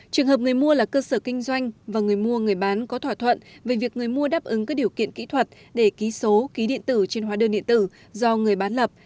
trường hợp người mua là cơ sở kinh doanh và người mua người bán có thỏa thuận về việc người mua đáp ứng các điều kiện kỹ thuật để ký số ký điện tử trên hóa đơn điện tử do người bán lập